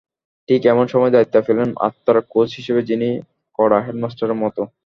ঠিক এমন সময় দায়িত্ব পেলেন আর্থার, কোচ হিসেবে যিনি কড়া হেডমাস্টারের মতো।